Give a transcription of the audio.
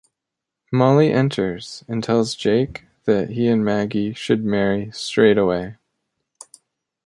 Molly enters and tells Jake that he and Maggie should marry straight away.